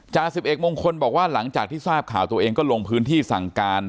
สิบเอกมงคลบอกว่าหลังจากที่ทราบข่าวตัวเองก็ลงพื้นที่สั่งการ